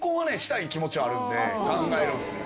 考えるんすよ。